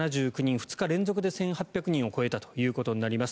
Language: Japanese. ２日連続で１８００人を超えたということになります。